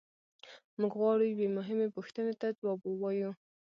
موږ غواړو یوې مهمې پوښتنې ته ځواب ووایو.